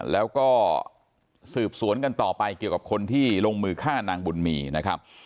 แล้วก็สืบสวนกันต่อไปเกี่ยวกับคนที่ลงมือฆ่านางบุญมีนะครับ